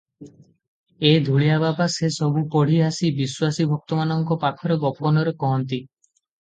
ଏ ଧୂଳିଆ ବାବା ସେ ସବୁ ପଢ଼ି ଆସି ବିଶ୍ୱାସୀ ଭକ୍ତମାନଙ୍କ ପାଖରେ ଗୋପନରେ କହନ୍ତି ।